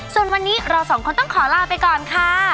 ส่วนวันนี้เราสองคนต้องขอลาไปก่อนค่ะ